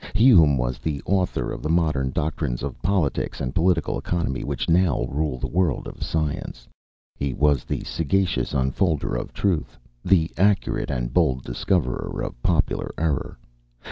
Hume was the author of the modern doctrines of politics and political economy, which now rule the world of science. He was "the sagacious unfolder of truth, the accurate and bold discoverer of popular error."